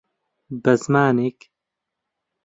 به زمانێک،